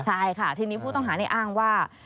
ใช่ค่ะทีนี้ผู้ต้องหาในอ้างว่า